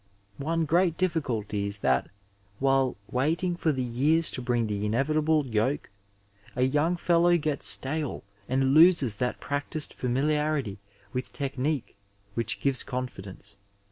One great difficulty is that while waiting for the years to bring the inevitable yoke, a young fellow gets stale and loses that practised familiarity with technique which gives confidence.